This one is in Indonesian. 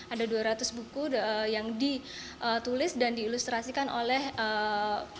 ada dua ratus buku yang ditulis dan diilustrasikan oleh perusahaan